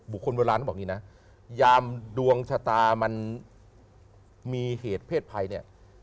คนโบราณเขาบอกอย่างนี้นะยามดวงชะตามันมีเหตุเพศภัยเนี่ย